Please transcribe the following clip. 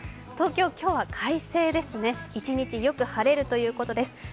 東京、今日は快晴ですね、一日よく晴れるということです。